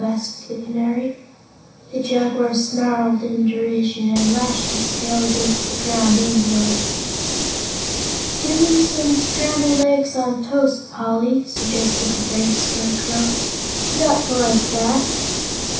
asked the Canary. The Jaguar snarled in derision and lashed his tail against the ground angrily. "Give him some scrambled eggs on toast, Poly," suggested the Bear Scarecrow. "He ought to like that."